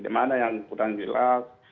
di mana yang kurang jelas